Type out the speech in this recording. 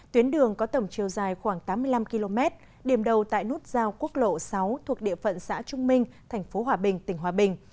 tuyến đường có tổng chiều dài khoảng tám mươi năm km điểm đầu tại nút giao quốc lộ sáu thuộc địa phận xã trung minh thành phố hòa bình tỉnh hòa bình